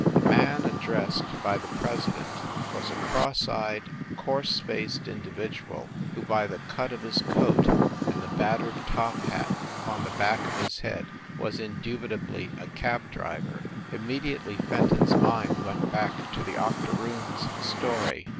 The man addressed by the president was a cross THE LIARS* CLUB 75 eyed, coarse faced individual, who, by the cut of his coat and the battered top hat on the back of his head was indubitably a cab driver. Immediately Fenton s mind went back to the Octoroon s story.